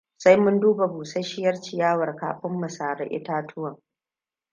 Sai mun duba busasshiyar ciyawar kafin mu sara itatuwan.